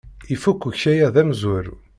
Ifuk ukayad amezwaru!